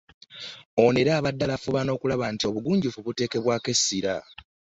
Ono era abadde alafuubana okulaba nti obugunjufu buteekebwako essira.